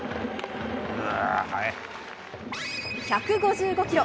１５５キロ！